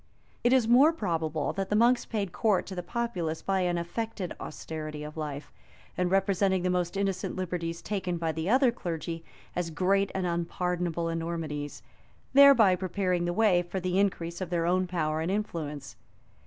It is more probable that the monks paid court to the populace by an affected austerity of life; and representing the most innocent liberties taken by the other clergy as great and unpardonable enormities, thereby prepared the way for the increase of their own power and influence.